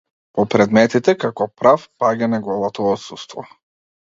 По предметите, како прав, паѓа неговото отсуство.